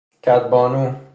کد بانو